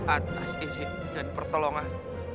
atas izin dan pertolongan